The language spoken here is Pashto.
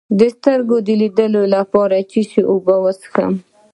د سترګو د لید لپاره د څه شي اوبه وڅښم؟